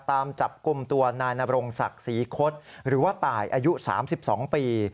ตามจับกลุ่มตัวนายนบรงศักดิ์ศรีคศหรือว่าตายอายุ๓๒ปี